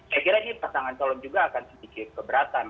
saya kira ini pasangan calon juga akan sedikit keberatan